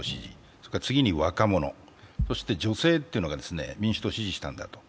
それから次に若者、そして女性というのが民主党を支持したんだと。